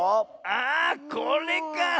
あこれか！